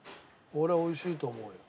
「俺は美味しいと思うよ」